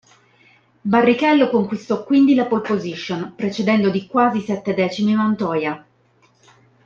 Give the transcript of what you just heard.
Barrichello conquistò quindi la pole position, precedendo di quasi sette decimi Montoya.